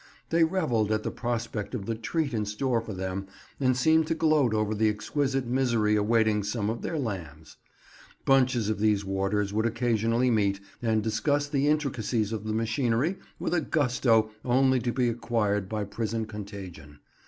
They revelled at the prospect of the treat in store for them, and seemed to gloat over the exquisite misery awaiting some of their lambs. Bunches of these warders would occasionally meet, and discuss the intricacies of the machinery with a gusto only to be acquired by prison contagion.